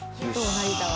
成田は。